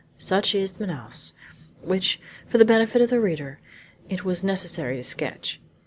Such is Manaos, which, for the benefit of the reader, it was necessary to sketch.